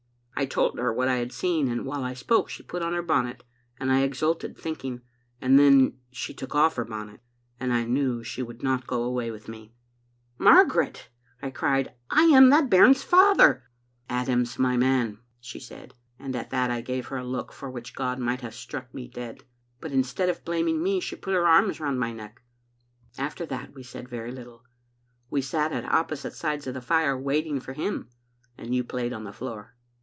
" I told her what I had seen, and while I spoke she put on her bonnet, and I exulted, thinking — and then she took off her bonnet, and I knew she would not go away with me. "* Margaret,' I cried, *I am that bairn's father.' Digitized by VjOOQ IC Stoti? ot tbc Domlttte. 806 "* Adam's my man,' she said, and at that I gave her a look for which God might have struck me dead. But instead of blaming me she put her arms round my neck. " After that we said very little. We sat at opposite sides of the fire, waiting for him, and you played on the floor.